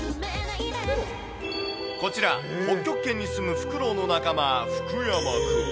こちら、北極圏に住むフクロウの仲間、フクヤマくん。